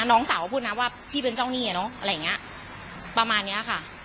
น้องสาวก็พูดนะว่าพี่เป็นเจ้าหนี้อ่ะเนอะอะไรอย่างเงี้ยประมาณเนี้ยค่ะ